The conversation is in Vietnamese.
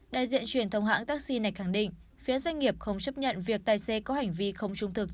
đại diện truyền thông hãng taxi này khẳng định phía doanh nghiệp không chấp nhận việc tài xế có hành vi không trung thực